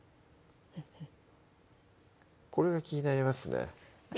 これが気になりますね